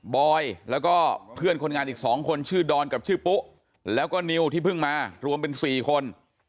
บอยแล้วก็เพื่อนคนงานอีก๒คนชื่อดอนกับชื่อปุ๊แล้วก็นิวที่เพิ่งมารวมเป็น๔คน